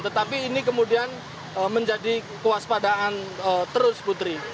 tetapi ini kemudian menjadi kewaspadaan terus putri